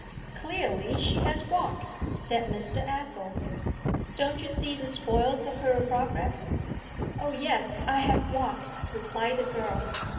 'Clearly she has walked,' said Mr. Athel. 'Don't you see the spoils of her progress?' 'Oh yes, I have walked,' replied the girl.